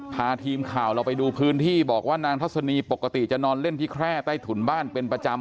พาทีมข่าวเราไปดูพื้นที่บอกว่านางทัศนีปกติจะนอนเล่นที่แคร่ใต้ถุนบ้านเป็นประจำ